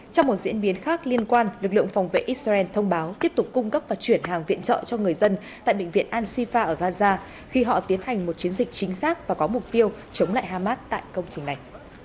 trong một diễn biến khác liên quan lực lượng phòng vệ israel thông báo tiếp tục cung cấp và chuyển hàng viện trợ cho người dân tại bệnh viện ansifa ở gaza khi họ tiến hành một chiến dịch chính xác và có mục tiêu chống lại hamas tại công trình này